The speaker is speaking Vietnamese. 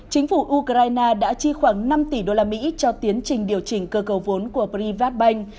chính phủ ukraine đã chi khoảng năm tỷ usd cho tiến trình điều chỉnh cơ cầu vốn của privatbank